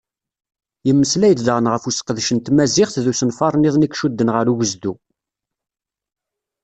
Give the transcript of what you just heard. Yemmeslay-d daɣen ɣef useqdec n tmaziɣt d usenfar-nniḍen i icudden ɣar ugezdu.